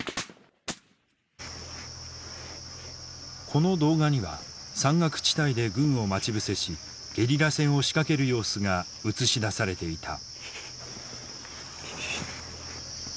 この動画には山岳地帯で軍を待ち伏せしゲリラ戦を仕掛ける様子が映し出されていた。